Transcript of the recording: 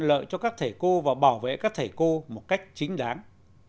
để thuận lợi cho các thầy cô và bảo vệ các thầy cô một cách chính đáng